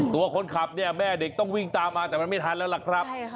ตัวคนขับเนี่ยแม่เด็กต้องวิ่งตามมาแต่มันไม่ทันแล้วล่ะครับ